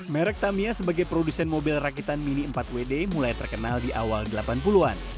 merek tamiya sebagai produsen mobil rakitan mini empat wd mulai terkenal di awal delapan puluh an